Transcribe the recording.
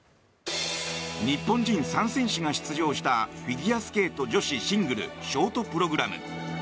日本人３選手が出場したフィギュアスケート女子シングルショートプログラム。